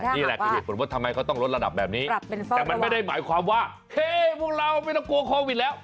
นี่แหละคือเหตุผลว่าทำไมเขาต้องลดระดับแบบนี้แต่มันไม่ได้หมายความว่าเฮ้พวกเราไม่ต้องกลัวโควิดแล้ว